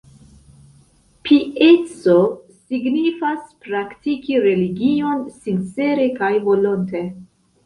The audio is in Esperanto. Pieco signifas praktiki religion sincere kaj volonte.